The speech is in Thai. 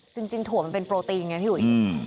ถั่วมันเป็นโปรตีนไงพี่อุ๋ย